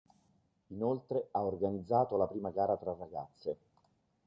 Inoltre, ha organizzato la prima gara tra ragazze.